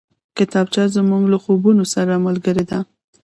کتابچه زموږ له خوبونو سره ملګرې ده